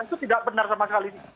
itu tidak benar sama sekali